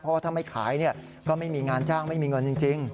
เพราะว่าถ้าไม่ขายก็ไม่มีงานจ้างไม่มีเงินจริง